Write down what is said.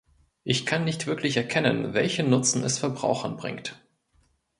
Ich kann nicht wirklich erkennen, welchen Nutzen es Verbrauchern bringt.